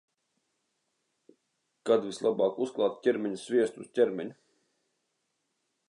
Kad vislabāk uzklāt ķermeņa sviestu uz ķermeņa?